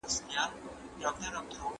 د جنګیالیو دنده څه وه؟